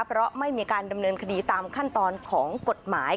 เพราะไม่มีการดำเนินคดีตามขั้นตอนของกฎหมาย